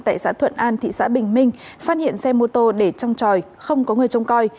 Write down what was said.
tại xã thuận an thị xã bình minh phát hiện xe mô tô để trong tròi không có người trông coi